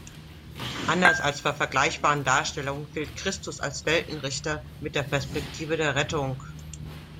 Anders als bei vergleichbaren Darstellungen fehlt Christus als Weltenrichter mit der Perspektive der Rettung.